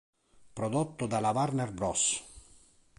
Prodotto dalla Warner Bros.